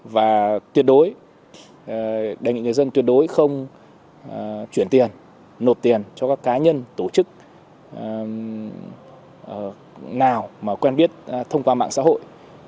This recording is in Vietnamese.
và tuyệt đối đề nghị người dân tuyệt đối không chuyển tiền nộp tiền cho các cá nhân tổ chức nào mà quen biết thông qua mạng xã hội